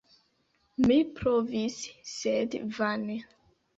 Mi provis, sed vane.